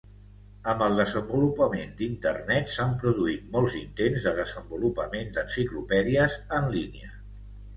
Amb el desenvolupament d'Internet s'han produït molts intents de desenvolupament d'enciclopèdies en línia.